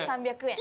３００円。